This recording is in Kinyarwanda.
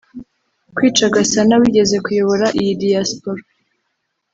Kwica Gasana wigeze kuyobora iyi Diaspora